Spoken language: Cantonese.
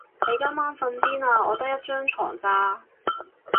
你今晚瞓邊啊？我得一張床咋